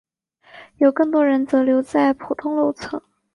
有更多人则留在普通楼层。